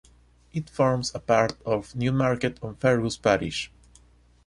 It forms a part of Newmarket-on-Fergus parish.